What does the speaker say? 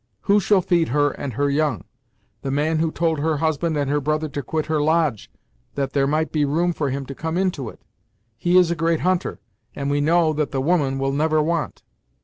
Who shall feed her and her young? The man who told her husband and her brother to quit her lodge, that there might be room for him to come into it. He is a great hunter, and we know that the woman will never want."